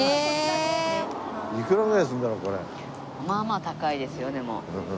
まあまあ高いですよでも。